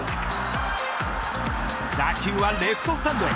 打球はレフトスタンドへ。